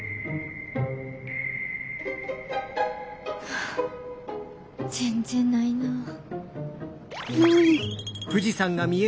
はあ全然ないなあ。